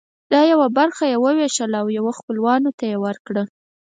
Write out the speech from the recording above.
دا یوه برخه به یې وویشله او یوه خپلوانو ته ورکړه.